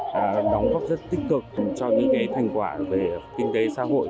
đã đóng góp rất tích cực cho những thành quả về kinh tế xã hội